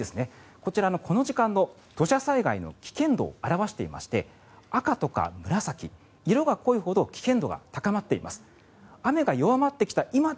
こちら、この時間の土砂災害の危険度を表していまして赤とか紫、色が濃いほど危険度が高まっています。